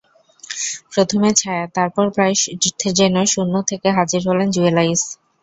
প্রথমে ছায়া, তারপর প্রায় যেন শূন্য থেকে হাজির হলেন জুয়েল আইচ।